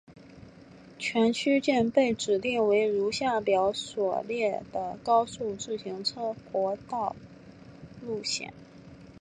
全区间被指定为如下表所列的高速自动车国道路线。